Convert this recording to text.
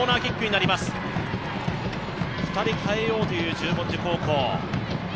２人代えようという十文字高校。